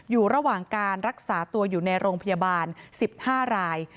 อยู่ระหว่างการรักษาตัวอยู่ในโรงพยาบาล๑๕ราย